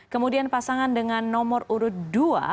kemudian pasangan dengan nomor urut dua